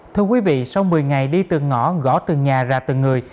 thưa quý vị sau một mươi ngày đi từng ngõ gõ từng nhà ra từng người